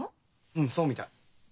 うんそうみたい。